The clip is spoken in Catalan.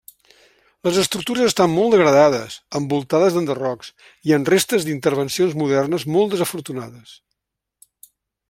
Les estructures estan molt degradades, envoltades d'enderrocs, i amb restes d'intervencions modernes molt desafortunades.